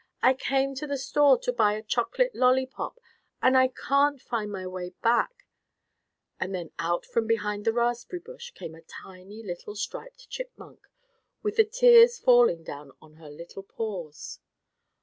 "I came to the store to buy a chocolate lollypop, and I can't find my way back," and then out from behind the raspberry bush came a tiny, little striped chipmunk with the tears falling down on her little paws.